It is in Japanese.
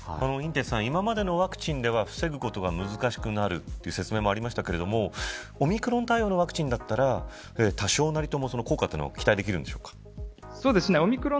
寅てつさん、今までのワクチンでは防ぐことが難しくなるという説明もありましたけどオミクロン対応のワクチンだったら多少なりとも効果は期待できるんでしょうか。